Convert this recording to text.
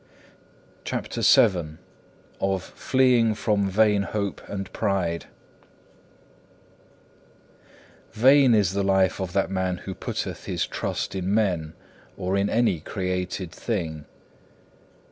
CHAPTER VII Of fleeing from vain hope and pride Vain is the life of that man who putteth his trust in men or in any created Thing.